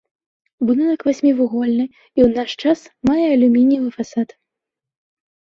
Будынак васьмівугольны і ў наш час мае алюмініевы фасад.